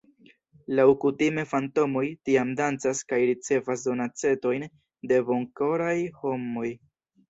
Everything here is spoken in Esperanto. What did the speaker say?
Laŭkutime fantomoj tiam dancas kaj ricevas donacetojn de bonkoraj homoj.